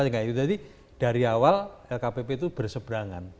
jadi dari awal lkpp itu bersebrangan